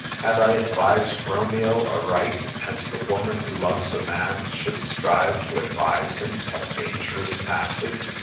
Had I advised Romeo aright, as the woman who loves a man should strive to advise him at dangerous passes